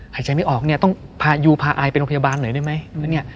หายใจไม่ออกเนี่ยต้องยูพาอายไปโรงพยาบาลหน่อยได้ไหม